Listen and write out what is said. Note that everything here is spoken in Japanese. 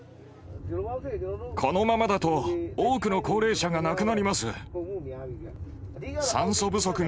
このままだと多くの高齢者が亡くなります。